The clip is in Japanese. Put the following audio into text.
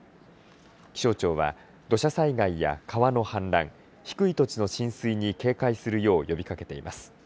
気象庁は土砂災害や川の氾濫低い土地の浸水に警戒するよう呼びかけています。